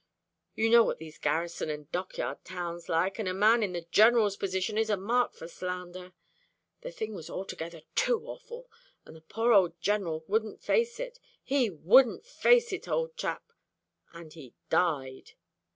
You know what these garrison and dockyard towns are, and a man in the General's position is a mark for slander. The thing was altogether too awful, and the poor old General wouldn't face it. He wouldn't face it, old chap, and he died."